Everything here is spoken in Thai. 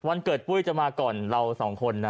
วันเกิดปุ้ยจะมาก่อนเราสองคนนะ